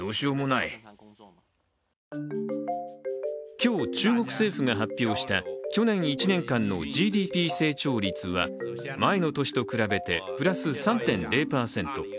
今日、中国政府が発表した去年１年間のＧＤＰ成長率は前の年と比べてプラス３．０％。